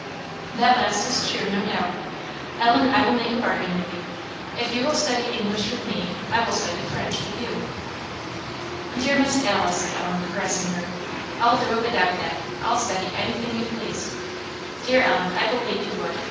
"That last is true, no doubt. Ellen, I will make a bargain with you, if you will study English with me, I will study French with you." "Dear Miss Alice," said Ellen, caressing her, "I'll do it without that; I'll study anything you please." "Dear Ellen, I believe you would.